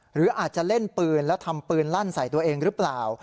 หรืออาจจะเล่นปืนแล้วทำปืนลั่นใส่ตัวเองหรือเปล่า